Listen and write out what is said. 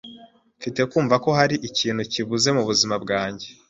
Mfite kumva ko hari ikintu kibuze mubuzima bwanjye.